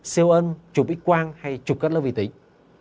xeo ân chụp ít quang hay chụp cắt lớp vị tính